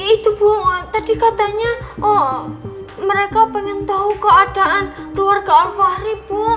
itu bu tadi katanya oh mereka pengen tahu keadaan keluarga alfahri bu